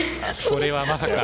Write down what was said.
これはまさか。